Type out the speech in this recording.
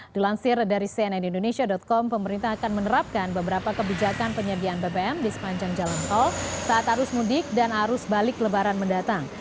dilansir dari cnn indonesia com pemerintah akan menerapkan beberapa kebijakan penyediaan bbm di sepanjang jalan tol saat arus mudik dan arus balik lebaran mendatang